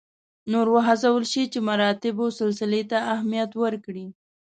نور وهڅول شي چې مراتبو سلسلې ته اهمیت ورکړي.